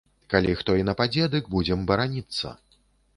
Калі хто і нападзе, дык будзем бараніцца.